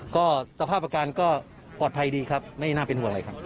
ก็สภาพอาการก็ปลอดภัยดีครับไม่น่าเป็นห่วงอะไรครับ